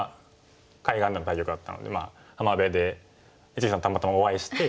海岸なんかよかったので浜辺で一力さんとたまたまお会いして。